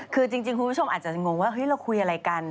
คือจริงคุณผู้ชมอาจจะงงว่าเฮ้ยเราคุยอะไรกัน